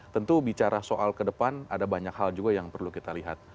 tentu bicara soal ke depan ada banyak hal juga yang perlu kita lihat